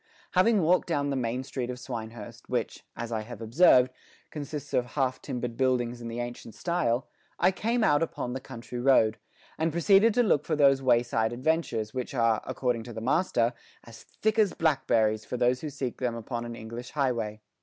Having walked down the main street of Swinehurst, which, as I have observed, consists of half timbered buildings in the ancient style, I came out upon the country road, and proceeded to look for those wayside adventures, which are, according to the master, as thick as blackberries for those who seek them upon an English highway.